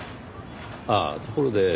ああところで